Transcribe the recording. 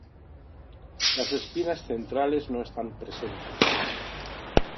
Las espinas centrales no están presentes.